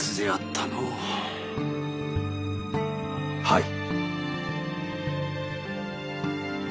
はい。